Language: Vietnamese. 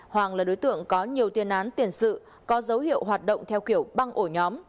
hoàng là đối tượng có nhiều tiền án tiền sự có dấu hiệu hoạt động theo kiểu băng ổ nhóm